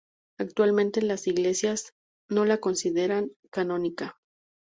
Actualmente las iglesias no la consideran canónica.